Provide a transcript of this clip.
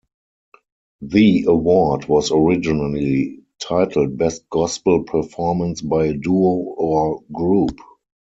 The award was originally titled Best Gospel Performance by a Duo or Group.